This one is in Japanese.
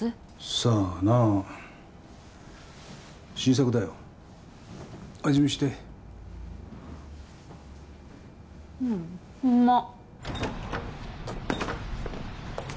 さあな新作だよ味見してうんうまっ